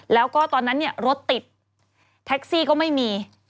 แล้วก็ตอนนั้นเนี่ยรถติดแท็กซี่ก็ไม่มี